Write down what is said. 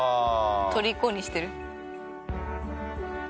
とりこにしてる。